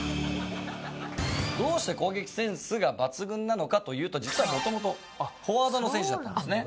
どうして攻撃センスが抜群なのかというと実は元々フォワードの選手だったんですね。